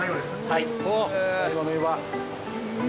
はい。